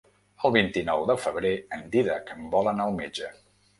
El vint-i-nou de febrer en Dídac vol anar al metge.